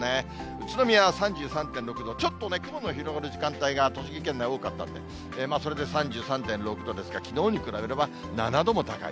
宇都宮は３３．６度、ちょっとね、雲の広がる時間帯が栃木県内多かったんで、それで３３．６度ですから、きのうに比べれば、７度も高い。